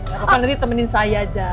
pokoknya nanti temenin saya aja